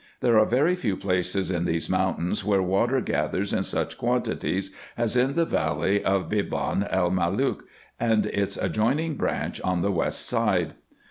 There are very few places in these mountains where water gathers in such quantities, as in the valley of Beban el Malook, and its adjoining branch on the west side.